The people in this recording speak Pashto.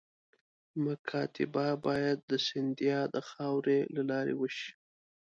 مکاتبه باید د سیندهیا د خاوري له لارې وشي.